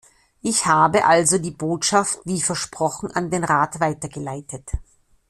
Ich habe also die Botschaft wie versprochen an den Rat weitergeleitet.